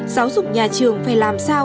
giáo dục nhà trường phải làm sao